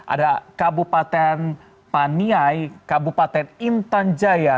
ada kabupaten paniai kabupaten intan jaya